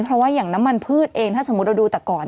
เพราะว่าอย่างน้ำมันพืชเองถ้าสมมุติเราดูแต่ก่อน